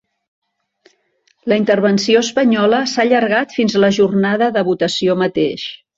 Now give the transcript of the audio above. La intervenció espanyola s’ha allargat fins a la jornada de votació mateix.